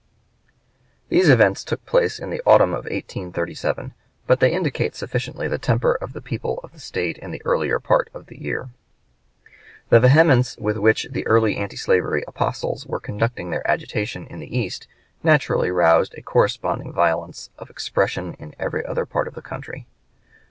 These events took place in the autumn of 1837, but they indicate sufficiently the temper of the people of the State in the earlier part of the year. [Sidenote: Law approved Dec. 26, 1831.] The vehemence with which the early antislavery apostles were conducting their agitation in the East naturally roused a corresponding violence of expression in every other part of the country.